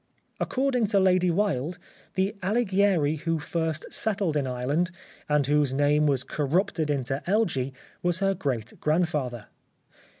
According to Lady Wilde, the Alighieri who first settled in Ireland and whose name was corrupted into Elgee was her great grandfather.